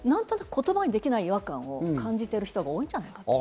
言葉にできない違和感を感じてる人が多いんじゃないかと。